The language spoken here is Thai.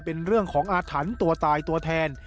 เป็นเรื่องของอาถรรพ์ตัวตายตัวแทน